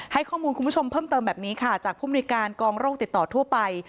ให้ข้อมูลคุณผู้ชมเพิ่มเติมแบบนี้ค่ะจากผู้มนุยการกองโรคติดต่อทั่วไป